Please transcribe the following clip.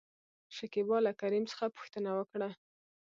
شکيبا له کريم څخه پوښتنه وکړه ؟